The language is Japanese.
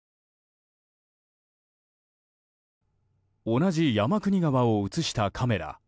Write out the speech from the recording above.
同じ山国川を映したカメラ。